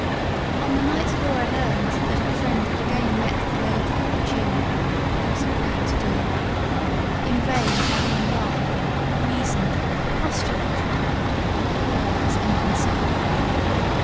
On the night Laura learned that her friend had again met the loathly "Jim", there was a great to do. In vain Evelyn laughed, reasoned, expostulated. Laura was inconsolable.